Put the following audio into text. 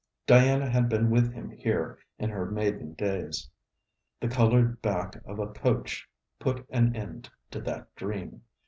Diana had been with him here in her maiden days. The coloured back of a coach put an end to that dream.